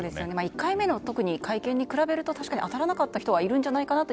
１回目の会見に比べて確かに当たらなかった人はいるんじゃないかなと。